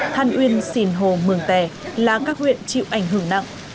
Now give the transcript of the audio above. than uyên xìn hồ mường tè là các huyện chịu ảnh hưởng nặng